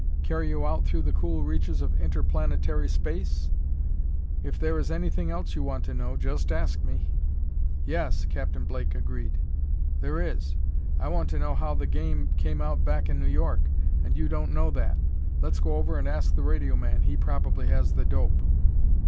Carry you out through the cool reaches of interplanetary space? If there is anything else you want to know, just ask me." "Yes," Captain Blake agree, "there is. I want to know how the game came out back in New York and you don't know that. Let's go over and ask the radio man. He probably has the dope."